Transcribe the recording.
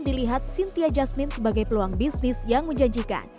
dilihat cynthia jasmine sebagai peluang bisnis yang menjanjikan